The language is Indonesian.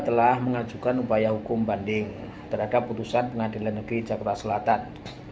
telah mengajukan upaya hukum banding terhadap putusan pengadilan negeri jakarta selatan